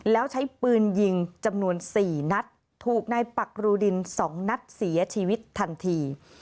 แล้วใช้ปืนยิงจำนวน๔นัดถูกในปักรูดิน๒นัดเสียชีวิตทันที